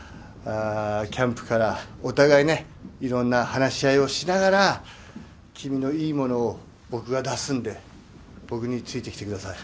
キャンプから、お互い、いろんな話し合いをしながら君のいいものを僕が出すので僕についてきてください。